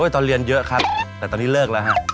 ตอนเรียนเยอะครับแต่ตอนนี้เลิกแล้วครับ